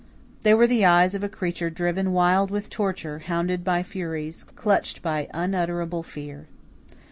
They were the eyes of a creature driven wild with torture, hounded by furies, clutched by unutterable fear.